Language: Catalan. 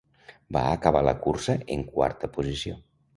Va acabar la cursa en quarta posició.